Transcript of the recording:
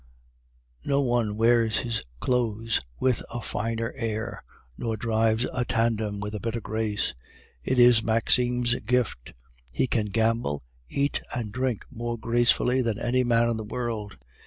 "No one wears his clothes with a finer air, nor drives a tandem with a better grace. It is Maxime's gift; he can gamble, eat, and drink more gracefully than any man in the world.